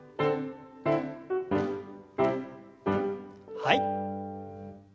はい。